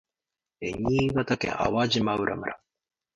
新潟県粟島浦村